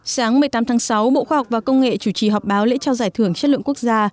sáng một mươi tám tháng sáu bộ khoa học và công nghệ chủ trì họp báo lễ trao giải thưởng chất lượng quốc gia